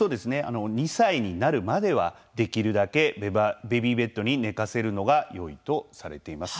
２歳になるまではできるだけベビーベッドに寝かせるのがよいとされています。